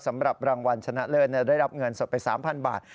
สำหรับรางวัลชนะเลิศได้รับเงินสดไป๓๐๐บาท